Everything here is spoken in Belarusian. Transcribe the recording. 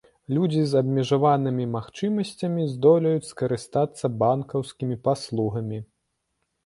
Людзі з абмежаванымі магчымасцямі здолеюць скарыстацца банкаўскімі паслугамі.